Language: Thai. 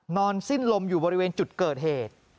นอนสิ้นลมอยู่บริเวณจุดเกิดเหตุ